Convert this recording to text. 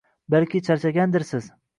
Balki, charchagandirsiz